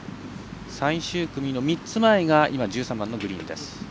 最終組の３つ前が今、１３番のグリーンです。